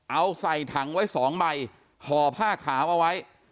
เอาใส่ถังไว้๒ใบห่อผ้าขาวเอาไว้